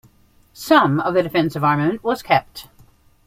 Some of the defensive armament was kept.